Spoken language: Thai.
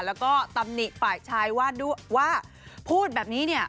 แล้วก็ตำหนิฝ่ายชายว่าพูดแบบนี้เนี่ย